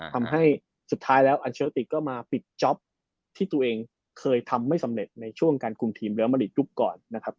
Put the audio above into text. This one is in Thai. ทำให้สุดท้ายแล้วอัลเชอร์ติก็มาปิดจ๊อปที่ตัวเองเคยทำไม่สำเร็จในช่วงการคุมทีมเรียลมาลีกยุคก่อนนะครับ